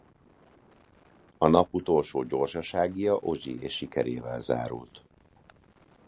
A nap utolsó gyorsaságija Ogier sikerével zárult.